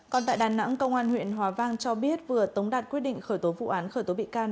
còn tại đà nẵng công an huyện hòa vang cho biết vừa tống đạt quyết định khởi tố vụ án khởi tố bị can